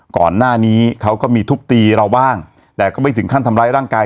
ก่อนหน้านี้เขาก็มีทุบตีเราบ้างแต่ก็ไม่ถึงขั้นทำร้ายร่างกาย